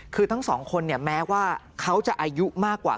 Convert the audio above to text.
คือทั้งสองคนเนี่ยแม้ว่าเขาจะอายุมากกว่า